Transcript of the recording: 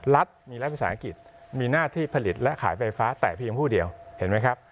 รัฐมีรัฐวิสาหกิจมีหน้าที่ผลิตและขายไฟฟ้าแต่เพียงผู้เดียวเห็นไหมครับ